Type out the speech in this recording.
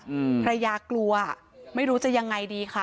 อืมภรรยากลัวไม่รู้จะยังไงดีค่ะ